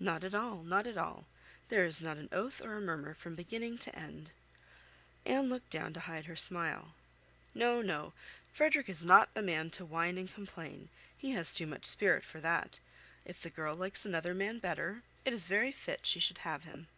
"Not at all, not at all; there is not an oath or a murmur from beginning to end." Anne looked down to hide her smile. "No, no; Frederick is not a man to whine and complain; he has too much spirit for that. If the girl likes another man better, it is very fit she should have him."